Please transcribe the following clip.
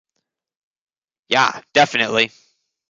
Ya definitely!